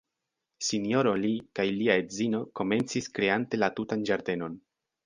Sinjoro Lee kaj lia edzino komencis kreante la tutan ĝardenon.